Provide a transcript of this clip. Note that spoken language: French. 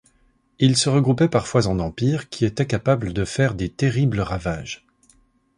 Ils se regroupaient parfois en empires qui étaient capables de faire des terribles ravages.